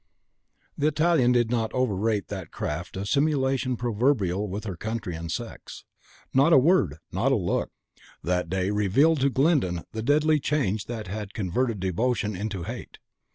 The Italian did not overrate that craft of simulation proverbial with her country and her sex. Not a word, not a look, that day revealed to Glyndon the deadly change that had converted devotion into hate.